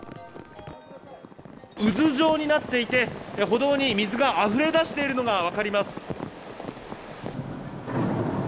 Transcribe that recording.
渦状になっていて、歩道に水があふれ出しているのが分かります。